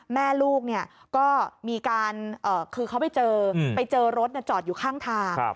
แม่ลูกก็มีการคือเขาไปเจอไปเจอรถจอดอยู่ข้างทาง